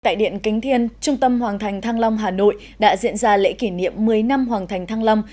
tại điện kính thiên trung tâm hoàng thành thăng long hà nội đã diễn ra lễ kỷ niệm một mươi năm hoàng thành thăng long